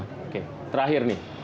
oke terakhir nih